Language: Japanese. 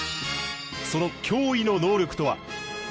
その驚異の能力とは？